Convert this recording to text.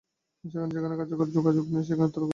যেখানে কার্যকারণের যোগাযোগ নেই সেখানে তর্ক করবে কী নিয়ে?